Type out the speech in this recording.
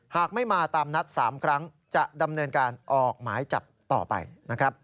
หากไม่มาตามนัด๓ครั้งจะดำเนินการออกหมายจับต่อไปนะครับ